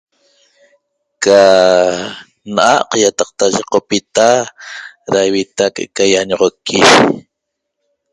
Ca na'aq yecopita ra ivita qe ca iañoxoqui